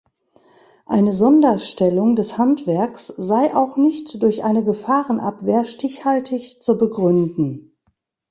Eine Sonderstellung des Handwerks sei auch nicht durch eine Gefahrenabwehr stichhaltig zu begründen.